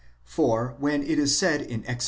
For when it is said in Ex. xiii.